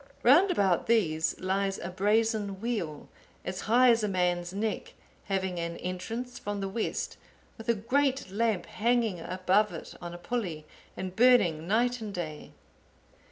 Round about these lies a brazen wheel, as high as a man's neck, having an entrance from the west, with a great lamp hanging above it on a pulley and burning night and day.